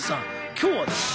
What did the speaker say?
今日はですね